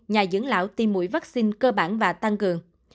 nhà dưỡng lão tiêm mũi vaccine cơ bản và tăng cường